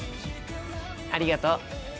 ありがとう。